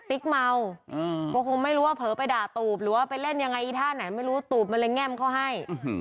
ติ๊กเมาก็คงไม่รู้ว่าเผลอไปด่าตูบหรือว่าไปเล่นยังไงอีท่าไหนไม่รู้ตูบมันเลยแง่มเขาให้